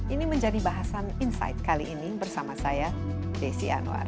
ini menjadi bahasan insight kali ini bersama saya desi anwar